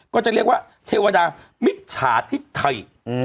ก็จะเรียกว่าเทวดามิจฉาทิศไทย